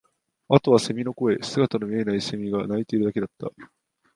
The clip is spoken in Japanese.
あとは蝉の声、姿の見えない蝉が鳴いているだけだった